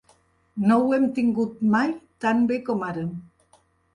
No ho hem tingut mai tan bé com ara